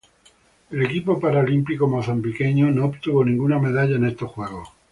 El equipo paralímpico mozambiqueño no obtuvo ninguna medalla en estos Juegos.